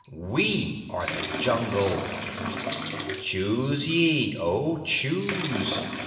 We are the Jungle.' Choose ye, O choose.